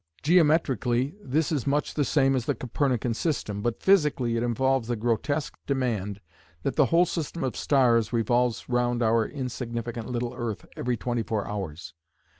Geometrically this is much the same as the Copernican system, but physically it involves the grotesque demand that the whole system of stars revolves round our insignificant little earth every twenty four hours.